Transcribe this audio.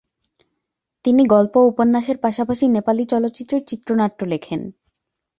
তিনি গল্প ও উপন্যাসের পাশাপাশি নেপালি চলচ্চিত্রের চিত্রনাট্য লেখেন।